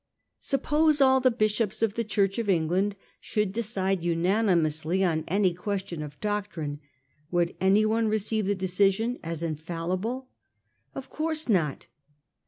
Suppose all the Bishops of the Church of England should de cide unanimously on any question of doctrine, would anyone receive the decision as infallible ? Of course not.